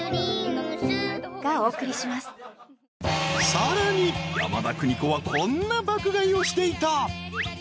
［さらに山田邦子はこんな爆買いをしていた］